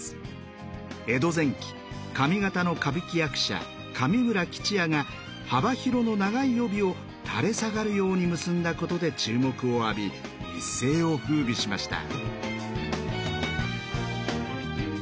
江戸前期上方の歌舞伎役者上村吉弥が幅広の長い帯を垂れ下がるように結んだことで注目を浴び一世を風靡しました。